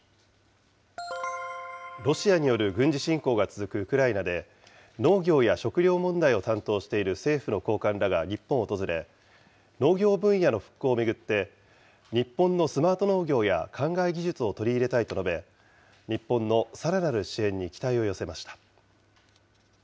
ロシアによる軍事侵攻が続くウクライナで、農業や食料問題を担当している政府の高官らが日本を訪れ、農業分野の復興を巡って、日本のスマート農業やかんがい技術を取り入れたいと述べ、日本のさらなる支援に期待を寄せました。